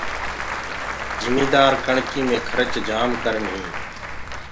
جميدآ ڪڻڪي مي کرچ جآم ڪرن هينٚ۔